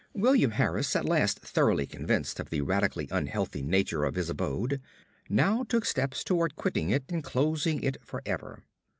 William Harris, at last thoroughly convinced of the radically unhealthful nature of his abode, now took steps toward quitting it and closing it for ever.